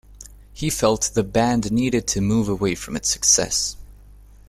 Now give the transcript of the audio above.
He felt the band needed to move away from its success.